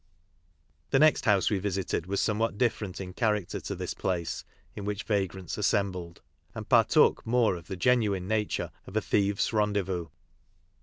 . T ^ e n e*t bouse we visited was somewhat different in character to this place in which vagrants assembled and partook more of the genuine nature of a thieves' rendezvous.